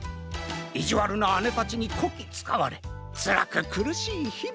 いじわるなあねたちにこきつかわれつらくくるしいひび。